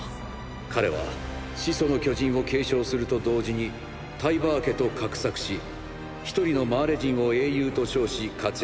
彼は「始祖の巨人」を継承すると同時にタイバー家と画策しひとりのマーレ人を英雄と称し活躍させました。